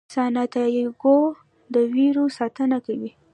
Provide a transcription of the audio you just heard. سانتیاګو د وریو ساتنه کوي.